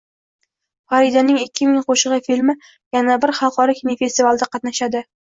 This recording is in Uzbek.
Faridaning ikki ming qo‘shig‘i filmi yana bir xalqaro kinofestivalda qatnashadi